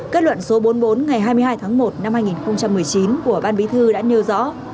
kết luận số bốn mươi bốn ngày hai mươi hai tháng một năm hai nghìn một mươi chín của ban bí thư đã nêu rõ